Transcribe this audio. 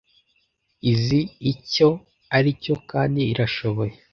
Izi icyo aricyo kandi irashoboye